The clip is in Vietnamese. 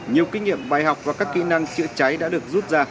nhiều kinh nghiệm bài học và các kỹ năng chữa cháy đã được rút ra